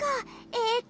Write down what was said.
えっと。